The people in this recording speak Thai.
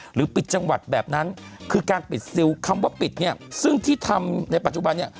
หรือปิดจังหวัดแบบนั้นคือการปิดซิลคำว่าปิดเนี่ยซึ่งที่ทำในปัจจุบันเนี่ย